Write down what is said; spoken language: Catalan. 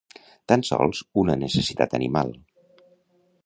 Tan sols una necessitat animal.